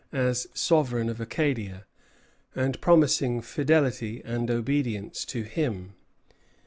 as sovereign of Acadia, and promising fidelity and obedience to him.